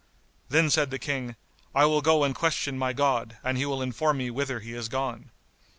Then said the King, "I will go and question my God, and he will inform me whither he is gone."